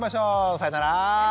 さようなら。